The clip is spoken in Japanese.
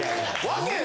訳。